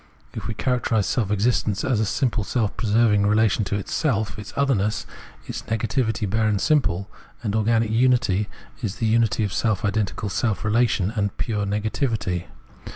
If we charac terise self existence as a simple self preserving relation to self, its otherness is negativity bare and simple; and organic unity is the unity of self identical self relation and pure negativity.